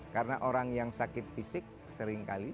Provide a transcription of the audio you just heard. karena orang yang sakit fisik seringkali